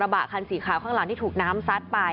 บะคันสีขาวข้างหลังที่ถูกน้ำซัดไป